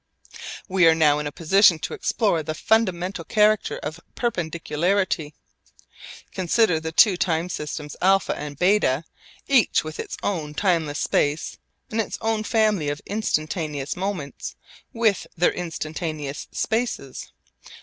We are now in a position to explore the fundamental character of perpendicularity. Consider the two time systems α and β, each with its own timeless space and its own family of instantaneous moments with their instantaneous spaces.